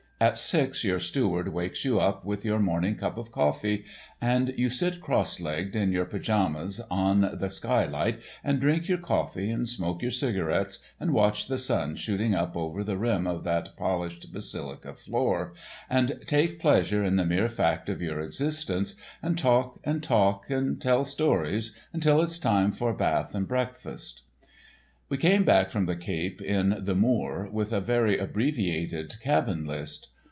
At six your steward wakes you up with your morning cup of coffee, and you sit cross legged in your pajamas on the skylight and drink your coffee and smoke your cigarettes and watch the sun shooting up over the rim of that polished basilica floor, and take pleasure in the mere fact of your existence, and talk and talk and tell stories until it's time for bath and breakfast. We came back from the Cape in The Moor, with a very abbreviated cabin list.